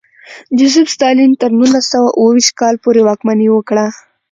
جوزېف ستالین تر نولس سوه اوه ویشت کال پورې واکمني وکړه.